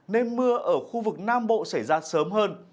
nên mưa ở khu vực nam bộ xảy ra sớm hơn